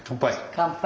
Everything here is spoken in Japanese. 乾杯！